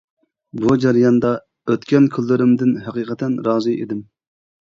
بۇ جەرياندا ئۆتكەن كۈنلىرىمدىن ھەقىقەتەن رازى ئىدىم.